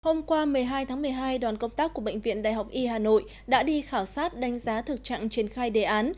hôm qua một mươi hai tháng một mươi hai đoàn công tác của bệnh viện đại học y hà nội đã đi khảo sát đánh giá thực trạng triển khai đề án